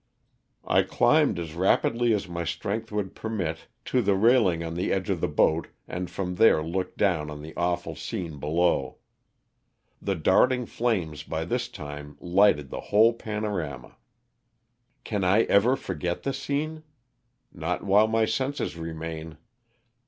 I climbed as rapidly as my strength would permit to the railing on the edge of the boat and from there looked down on the awful scene below. The darting flames by this time lighted the whole panorama. Can I ever forget the scene? Not while my senses remain.